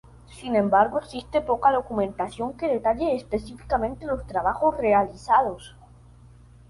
Sin embargo, existe poca documentación que detalle específicamente los trabajos realizados.